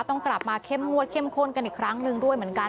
ต้องกลับมาเข้มงวดเข้มข้นกันอีกครั้งหนึ่งด้วยเหมือนกัน